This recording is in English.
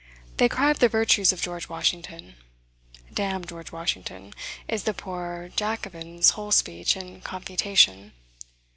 They cry up the virtues of George Washington, "Damn George Washington!" is the poor Jacobin's whole speech and confutation.